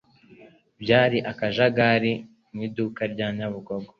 Byari akajagari mu iduka rya Nyabugogo.